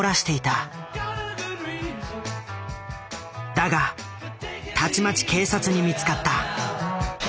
だがたちまち警察に見つかった。